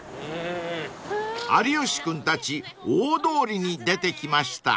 ［有吉君たち大通りに出てきました］